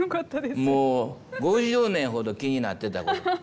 もう５０年ほど気になってたこと。